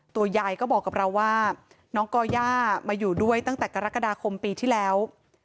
ยายก็บอกกับเราว่าน้องก่อย่ามาอยู่ด้วยตั้งแต่กรกฎาคมปีที่แล้ว